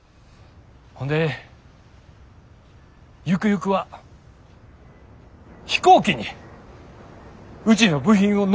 ほんでゆくゆくは飛行機にうちの部品を載せたい思てます。